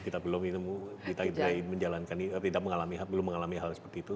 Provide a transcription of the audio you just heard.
kita belum menemukan kita tidak mengalami belum mengalami hal hal seperti itu